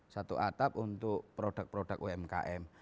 satu atap untuk produk produk umkm